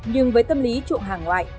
nhưng với tâm lý trụng hàng ngoại